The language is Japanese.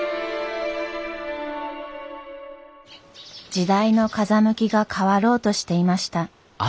時代の風向きが変わろうとしていました。